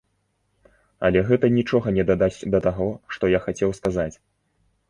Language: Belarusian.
Але гэта нічога не дадасць да таго, што я хацеў сказаць.